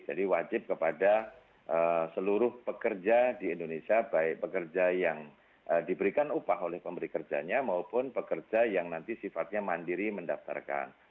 jadi wajib kepada eee seluruh pekerja di indonesia baik pekerja yang eee diberikan upah oleh pemberi kerjanya maupun pekerja yang nanti sifatnya mandiri mendaftarkan